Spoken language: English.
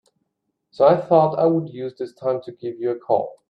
So I thought I would use this time to give you a call.